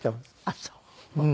あっそう。